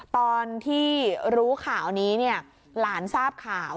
ตอนที่รู้ข่าวนี้เนี่ยหลานทราบข่าว